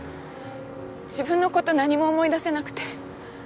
自分のこと何も思い出せなくて。